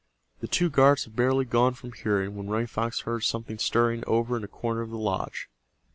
The two guards had barely gone from hearing when Running Fox heard something stirring over in a corner of the lodge.